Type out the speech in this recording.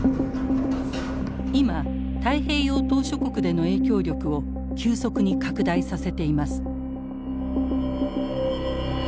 今太平洋島しょ国での影響力を急速に拡大させています。